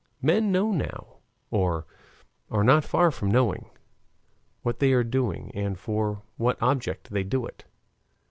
Men know now, or are not far from knowing, what they are doing and for what object they do it.